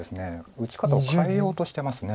打ち方を変えようとしてます。